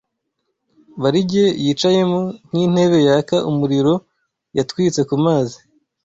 Barige yicayemo, nk'intebe yaka umuriro yatwitse ku mazi ..."